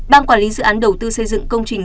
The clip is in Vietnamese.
ban quản lý dự án đầu tư xây dựng công trình